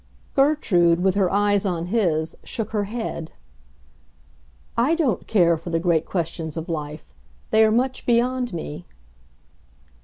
Gertrude, with her eyes on his, shook her head. "I don't care for the great questions of life. They are much beyond me."